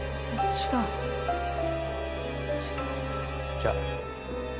じゃあ。